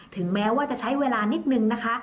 ถึงแม้ว่าจะใช้เวลานิดนึงนะคะ